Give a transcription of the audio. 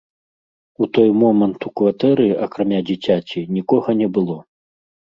У той момант у кватэры, акрамя дзіцяці, нікога не было.